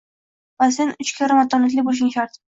Va sen uch karra matonatli boʻlishing shart